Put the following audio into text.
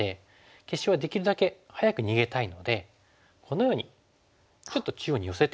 消しはできるだけ早く逃げたいのでこのようにちょっと中央に寄せて。